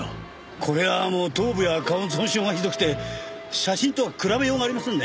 これはもう頭部や顔の損傷がひどくて写真と比べようがありませんね。